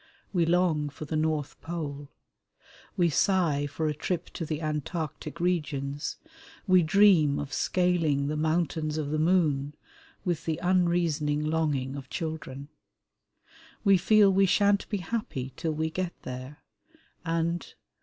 We long for the North Pole, we sigh for a trip to the Antarctic regions, we dream of scaling the Mountains of the Moon, with the unreasoning longing of children. We feel we shan't be happy till we get there, and